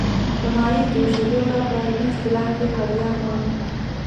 د مایع جوشیدو ته په علمي اصطلاح کې غلیان وايي.